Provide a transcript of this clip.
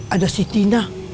ada si tina